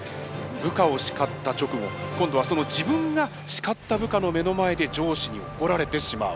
部下を叱った直後今度は自分が叱った部下の目の前で上司に怒られてしまう。